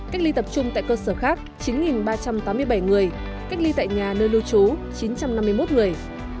cách ly tập trung tại cơ sở khác chín ba trăm tám mươi bảy người cách ly tại nhà nơi lưu trú chín trăm năm mươi một người